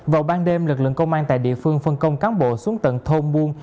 vào ban đêm lực lượng công an tại địa phương phân công cán bộ xuống tận thôn buôn